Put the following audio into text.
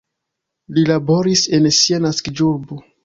Li laboris en sia naskiĝurbo.